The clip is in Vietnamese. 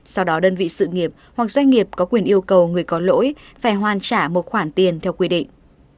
sau đó đơn vị sự nghiệp hoặc doanh nghiệp có quyền yêu cầu người có lỗi phải hoàn trả một khoản tiền theo quy định